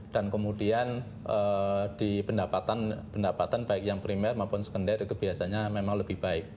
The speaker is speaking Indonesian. dan kemudian di pendapatan baik yang primer maupun sekender itu biasanya memang lebih baik